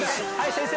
先生！